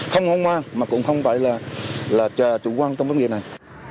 không ngon ngoan mà cũng không phải là chủ quan trong vấn đề này